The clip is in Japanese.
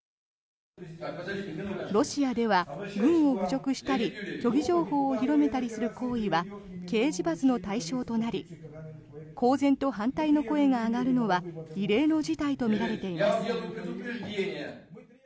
ロシアでは軍を侮辱したり虚偽情報を広めたりする行為は刑事罰の対象となり公然と反対の声が上がるのは異例の事態とみられています。